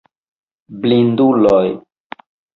Blinduloj!